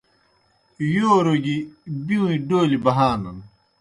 یوروْ گیْ بِیؤں اےْ ڈولیْ بہانَن۔